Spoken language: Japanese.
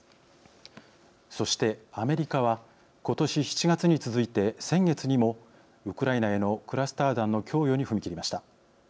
そして、アメリカは今年７月に続いて、先月にもウクライナへのクラスター弾の供与に踏み切りました。